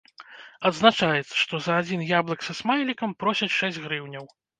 Адзначаецца, што за адзін яблык са смайлікам просяць шэсць грыўняў.